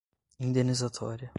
indenizatória